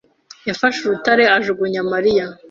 yafashe urutare ajugunya Mariya.